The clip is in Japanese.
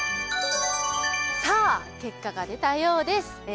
さあ結果が出たようです。